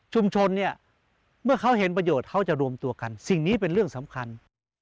เนี่ยเมื่อเขาเห็นประโยชน์เขาจะรวมตัวกันสิ่งนี้เป็นเรื่องสำคัญ